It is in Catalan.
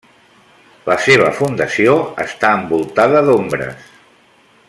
La seva fundació està envoltada d'ombres.